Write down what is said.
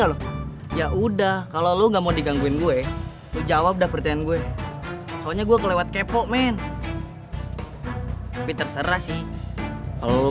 lo manfaatin gue buat ngehidupin si aldo